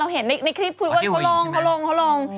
เราเห็นในคลิปว่างเขาล้อง